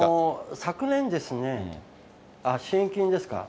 昨年ですね、支援金ですか？